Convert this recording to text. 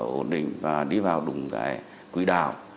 ổn định và đi vào đúng cái quỹ đạo